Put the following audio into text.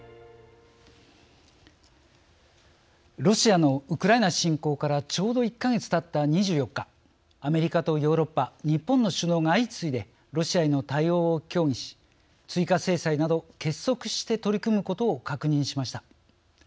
ロシアのウクライナ侵攻からちょうど１か月たった２４日アメリカとヨーロッパ日本の首脳が相次いでロシアへの対応を協議し追加制裁など結束して取り組むことを確認しました。